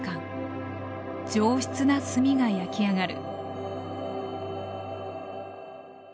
上質な炭が焼き上がる。